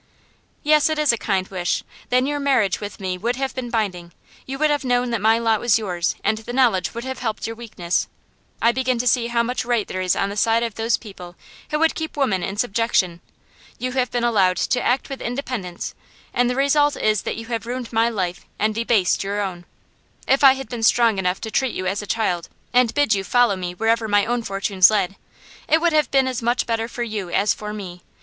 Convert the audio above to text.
'Yes, it is a kind wish. Then your marriage with me would have been binding; you would have known that my lot was yours, and the knowledge would have helped your weakness. I begin to see how much right there is on the side of those people who would keep women in subjection. You have been allowed to act with independence, and the result is that you have ruined my life and debased your own. If I had been strong enough to treat you as a child, and bid you follow me wherever my own fortunes led, it would have been as much better for you as for me.